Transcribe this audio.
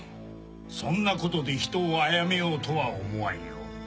そんなことで人を殺めようとは思わんよ。